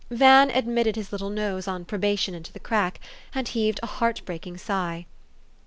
Van admitted his little nose on probation into the crack, and heaved a heart breaking sigh.